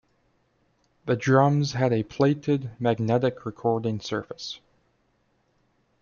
The drums had a plated magnetic recording surface.